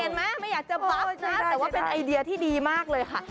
ไม่อยากจะบั๊บนะแต่ว่าเป็นไอเดียที่ดีมากเลยค่ะ